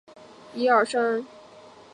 的重臣鹤谷氏之居城。